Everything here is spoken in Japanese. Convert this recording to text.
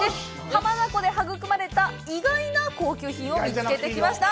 浜名湖で育まれた意外な高級品を見つけてきました。